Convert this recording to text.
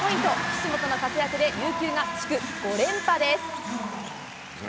岸本の活躍で琉球が地区５連覇です。